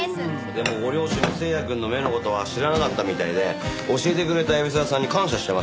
でもご両親も星也くんの目の事は知らなかったみたいで教えてくれた海老沢さんに感謝してましたよ。